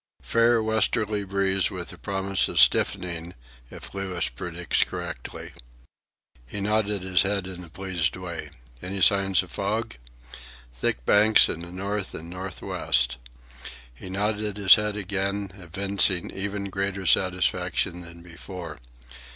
"Fair westerly breeze, with a promise of stiffening, if Louis predicts correctly." He nodded his head in a pleased way. "Any signs of fog?" "Thick banks in the north and north west." He nodded his head again, evincing even greater satisfaction than before.